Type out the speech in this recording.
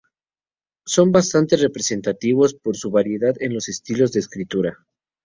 Son bastante representativos por su variedad en los estilos de escritura.